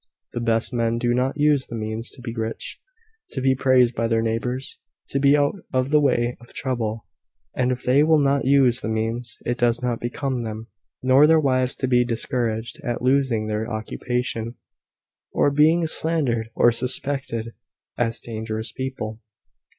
The best men do not use the means to be rich, to be praised by their neighbours, to be out of the way of trouble; and if they will not use the means, it does not become them nor their wives to be discouraged at losing their occupation, or being slandered, or suspected as dangerous people."